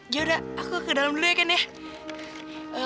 ya udah aku ke dalam dulu ya ken ya